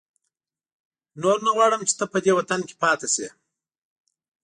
نور نه غواړم چې ته په دې وطن کې پاتې شې.